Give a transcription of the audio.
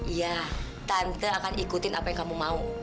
ya tante akan ikutin apa yang kamu mau